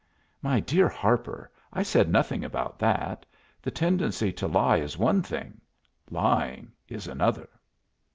"My dear Harper, I said nothing about that. The tendency to lie is one thing; lying is another."